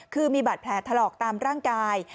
คือมีบาดแผลถลอกตามร่างกาย